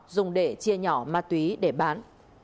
dùng để chia nhỏ ma túy để bán